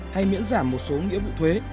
hay miễn giảm một số nghĩa vụ thuế